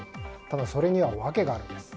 ただそれには訳があるんです。